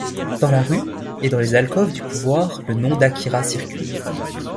Dans la rue et dans les alcôves du pouvoir, le nom d'Akira circule.